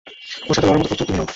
ওর সাথে লড়ার মতো প্রস্তুত তুমি নও।